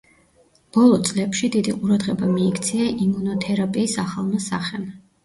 ბოლო წლებში დიდი ყურადღება მიიქცია იმუნოთერაპიის ახალმა სახემ.